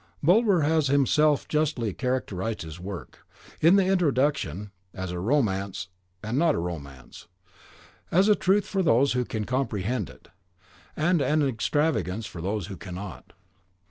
Bulwer has himself justly characterised this work, in the Introduction, as a romance and not a romance, as a truth for those who can comprehend it, and an extravagance for those who cannot.